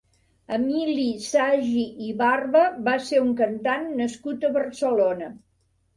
Emili Sagi i Barba va ser un cantant nascut a Barcelona.